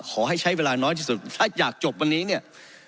ขอให้ใช้เวลาน้อยที่สุดถ้าอยากจบวันนี้เนี่ย